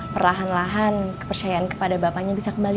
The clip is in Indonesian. perlahan lahan kepercayaan kepada bapaknya bisa kembali